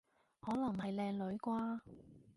可能唔係靚女啩？